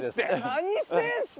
何してんすか！